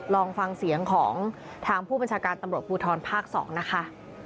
ลองฟังเสียงของทางผู้บัญชาการตำรวจภูทรภาค๒นะคะ